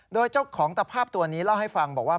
โดยเจ้าของตะภาพตัวนี้เล่าให้ฟังบอกว่า